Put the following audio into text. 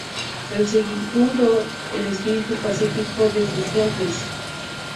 El segundo el espíritu pacífico de sus gentes.